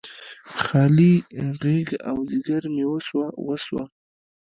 خالي غیږه او ځیګر مې وسوه، وسوه